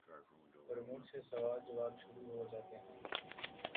اور مجھ سے سوال جواب شروع ہو جاتے ہیں ۔